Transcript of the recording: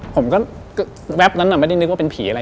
ผมก็แวบนั้นไม่ได้นึกว่าเป็นผีอะไร